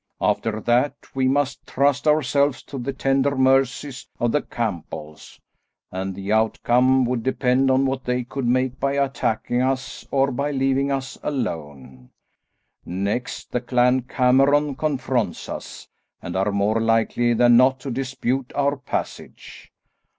After that we must trust ourselves to the tender mercies of the Campbells, and the outcome would depend on what they could make by attacking us or by leaving us alone. Next the Clan Cameron confronts us, and are more likely than not to dispute our passage.